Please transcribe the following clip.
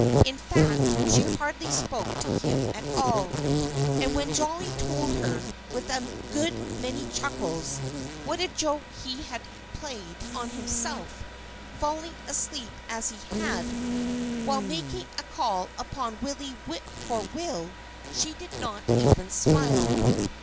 In fact, she hardly spoke to him at all. And when Jolly told her, with a good many chuckles, what a joke he had played on himself falling asleep as he had, while making a call upon Willie Whip poor will she did not even smile.